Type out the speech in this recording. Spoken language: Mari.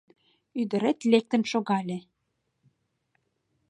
Ӱдырет лектын шогале.